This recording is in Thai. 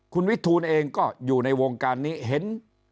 คุณวิทูลเองก็อยู่ในวงการนี้เห็น